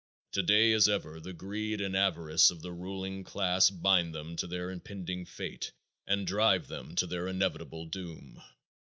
Today as ever the greed and avarice of the ruling class blind them to their impending fate and drive them to their inevitable doom.